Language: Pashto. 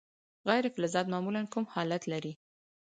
غیر فلزات معمولا کوم حالت لري.